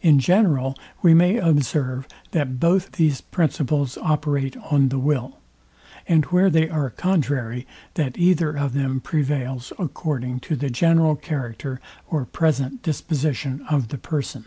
In general we may observe, that both these principles operate on the will; and where they are contrary, that either of them prevails, according to the general character or present disposition of the person.